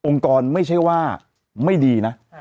กรไม่ใช่ว่าไม่ดีนะ